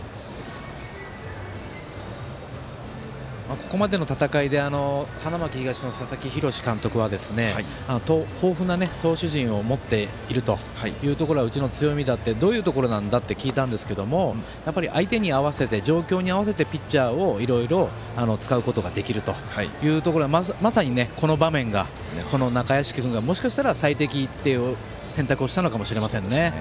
ここまでの戦いで花巻東の佐々木洋監督は、豊富な投手陣を持っているというところはうちの強みだってどういうところなんだって聞いたんですけどもやっぱり、相手に合わせて状況に合わせて、ピッチャーをいろいろ使うことができるというところはまさにこの場面が、中屋敷君がもしかしたら最適という選択をしたのかもしれませんね。